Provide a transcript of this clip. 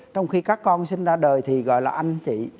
trong khi các con sinh ra đời thì gọi là anh chị